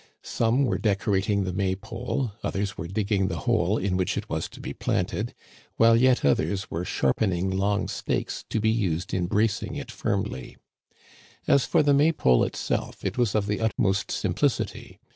Some were decorating Digitized by VjOOQIC THE MAY FEAST. \\j the May pole, others were digging the hole in which it was to be planted, while yet others were sharpening long stakes to be used in bracing it firmly As for the May pole itself, it was of the utmost simplicity.